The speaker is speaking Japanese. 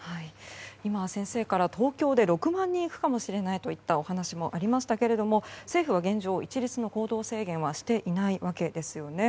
今、先生から東京で６万人いくかもしれないというお話もありましたが政府は現状、一律の行動制限はしていないわけですね。